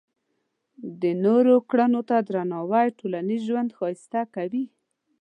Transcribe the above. د نورو کړنو ته درناوی ټولنیز ژوند ښایسته کوي.